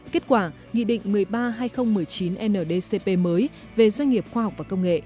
kết quả nghị định một mươi ba hai nghìn một mươi chín ndcp mới về doanh nghiệp khoa học và công nghệ